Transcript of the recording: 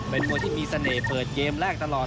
เป็นมวยที่มีเสน่ห์เปิดเกมแรกตลอด